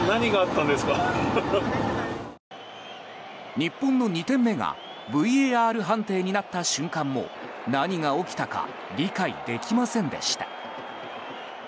日本の２点目がＶＡＲ判定になった瞬間も何が起きたか理解できませんでした。